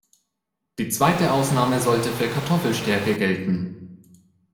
Die zweite Ausnahme sollte für Kartoffelstärke gelten.